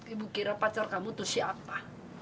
ibu kira pacar kamu itu siapa